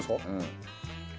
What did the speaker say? うん！